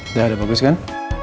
udah udah bagus kan